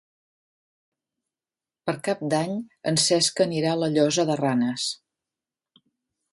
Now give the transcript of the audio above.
Per Cap d'Any en Cesc anirà a la Llosa de Ranes.